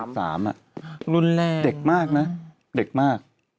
ม๑อ่ะ๑๓อ่ะรุนแรงด็กมากนะด็กมาก